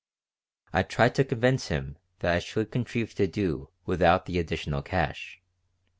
I tried to convince him that I should contrive to do without the additional cash.